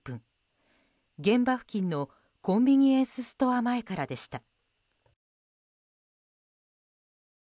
現場付近のコンビニエンスストア前からでした。